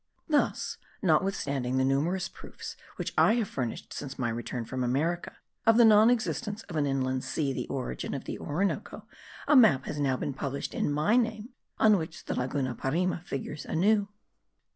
Thus, notwithstanding the numerous proofs which I have furnished since my return from America, of the non existence of an inland sea the origin of the Orinoco, a map has been published in my name,* on which the Laguna Parima figures anew.